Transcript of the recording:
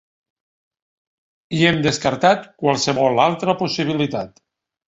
I hem descartat qualsevol altra possibilitat.